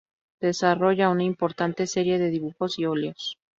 Desarrolla una importante serie de dibujos y óleos.